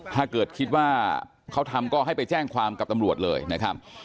ถ้าเกิดคิดว่าเขาทำก็ให้ไปแจ้งความกับตำรวจเลยนะครับ